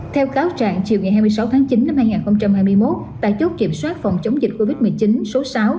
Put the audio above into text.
theo cáo trạng chiều ngày hai mươi sáu tháng chín năm hai nghìn hai mươi một tại chốt kiểm soát phòng chống dịch covid một mươi chín số sáu